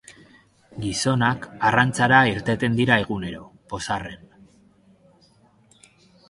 Gizonak arrantzara irteten dira egunero, pozarren.